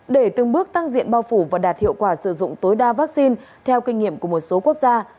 để từng bước tăng diện bao phủ và đạt hiệu quả sử dụng tối đa vaccine theo kinh nghiệm của một số quốc gia